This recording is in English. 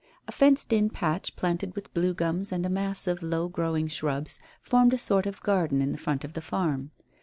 A fenced in patch, planted with blue gums and a mass of low growing shrubs, formed a sort of garden in front of the farm.